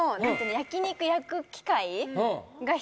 焼き肉焼く機械が人？